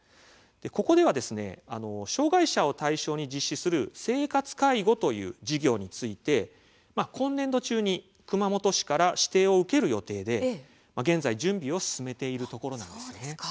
ここでは障害者を対象に実施する生活介護という事業について今年度中に熊本市から指定を受ける予定で現在、準備を進めているところなんです。